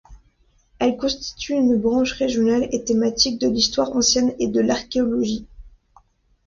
Elle constitue une branche régionale et thématique de l'histoire ancienne et de l'archéologie.